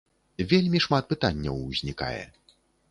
Вельмі шмат пытанняў узнікае.